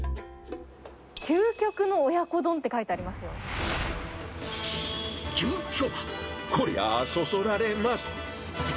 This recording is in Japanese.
究極の親子丼って書いてあり究極、こりゃあそそられます。